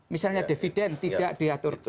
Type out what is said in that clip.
misalnya dividen tidak diatur